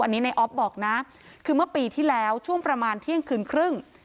อันนี้ในออฟบอกนะคือเมื่อปีที่แล้วช่วงประมาณเที่ยงคืนครึ่ง